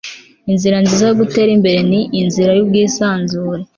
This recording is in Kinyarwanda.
inzira nziza yo gutera imbere ni inzira y'ubwisanzure